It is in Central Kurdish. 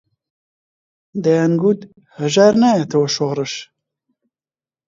دەیانگوت هەژار نایەتەوە شۆڕش